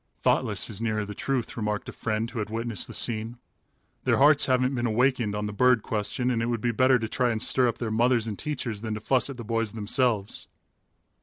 "Thoughtless is nearer the truth," remarked a friend who had witnessed the scene. "Their hearts haven't been awakened on the bird question and it would be better to try and stir up their mothers and teachers than to fuss at the boys themselves."